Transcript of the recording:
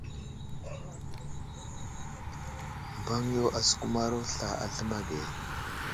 Mbaŋ yo asəkumaro sla a zləma ge.